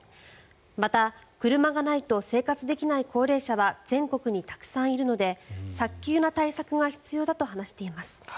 また、車がないと生活できない高齢者は全国にたくさんいるので早急な対策が必要だと話しています。